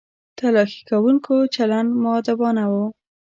تلاښي کوونکو چلند مؤدبانه و.